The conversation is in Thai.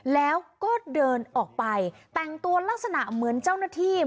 แล้วก็เดินออกไปแต่งตัวลักษณะเหมือนเจ้าหน้าที่